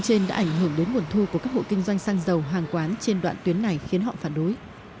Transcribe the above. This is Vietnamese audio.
trên đã ảnh hưởng đến nguồn thu của các hộ kinh doanh xăng dầu hàng quán trên đoạn tuyến này khiến họ phản đối